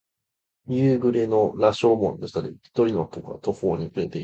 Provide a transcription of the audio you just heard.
日暮れの羅生門の下で、一人の男が途方に暮れていた。